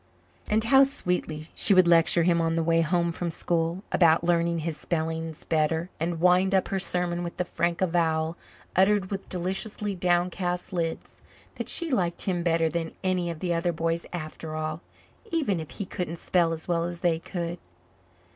And how sweetly she would lecture him on the way home from school about learning his spellings better, and wind up her sermon with the frank avowal, uttered with deliciously downcast lids, that she liked him better than any of the other boys after all, even if he couldn't spell as well as they could.